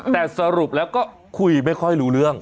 แต่สรุปแล้วก็คุยไม่ค่อยรู้เรื่อง